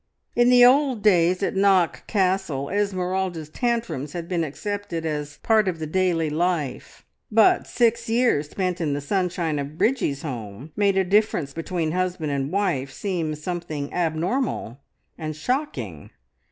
In the old days at Knock Castle Esmeralda's tantrums had been accepted as part of the daily life, but six years spent in the sunshine of Bridgie's home made a difference between husband and wife seem something abnormal and shocking.